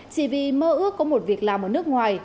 chỉ vì mơ ước có một việc làm ở nước ngoài